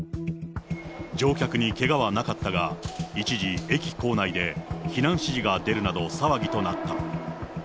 乗客にけがはなかったが、一時、駅構内で避難指示が出るなど、騒ぎとなった。